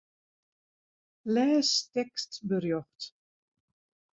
Lês tekstberjocht.